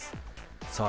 さあ